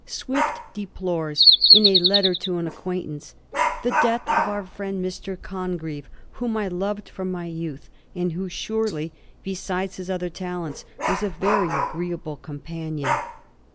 Swift deplores, in a letter to an acquaint ance, * the death of our friend Mr. Congreve, whom I loved from my youth, and who surely, besides his other talents, was a very agreeable companion.